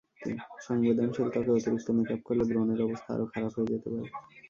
সংবেদনশীল ত্বকে অতিরিক্ত মেকআপ করলে ব্রণের অবস্থা আরও খারাপ হয়ে যেতে পারে।